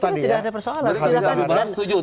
saya kira tidak ada persoalan